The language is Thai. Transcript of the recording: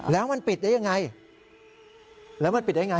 แล้วมันปิดได้อย่างไรแล้วมันปิดได้อย่างไร